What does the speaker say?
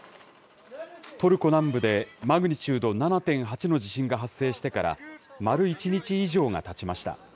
トルコ南部でマグニチュード７．８の地震が発生してから、丸１日以上がたちました。